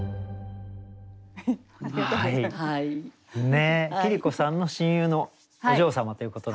ねえ桐子さんの親友のお嬢様ということなんですね。